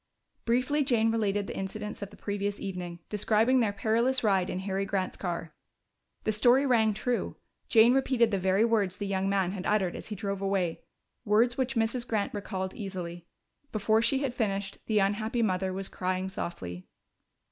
Briefly Jane related the incidents of the previous evening, describing their perilous ride in Harry Grant's car. The story rang true; Jane repeated the very words the young man had uttered as he drove away, words which Mrs. Grant recalled easily. Before she had finished, the unhappy mother was crying softly.